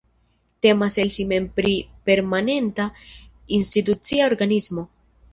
Temas el si mem pri permanenta institucia organismo.